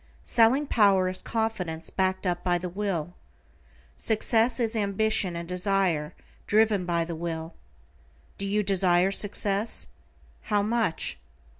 Selling power is confidence backed up by the will. Success is ambition and desire driven by the will. Do you desire success? How much?